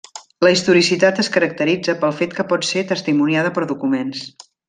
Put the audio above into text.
La historicitat es caracteritza pel fet que pot ser testimoniada per documents.